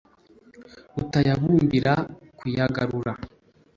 rutayabumbira kuyagarura,